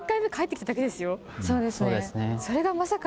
そうですね。